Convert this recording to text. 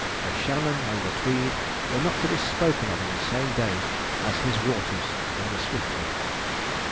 The Shannon and the Tweed were not to be spoken of in the same day as his waters in the Swiftley.